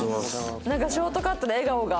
なんかショートカットの笑顔が。